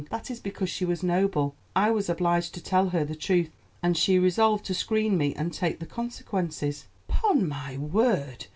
"That is because she was noble. I was obliged to tell her the truth, and she resolved to screen me and take the consequences." "'Pon my word!